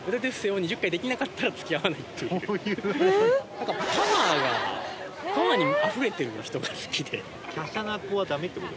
例えばパワーがパワーにあふれてる人が好きできゃしゃな子はダメってこと？